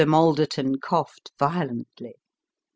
Malderton coughed violently.